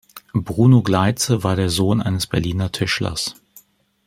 Bruno Gleitze war der Sohn eines Berliner Tischlers.